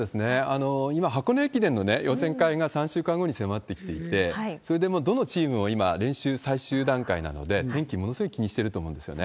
今、箱根駅伝の予選会が３週間後に迫ってきていて、それでもうどのチームも今、練習最終段階なので、天気、ものすごい気にしてると思うんですよね。